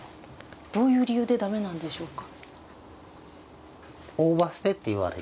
どういう理由で駄目なんでしょうか？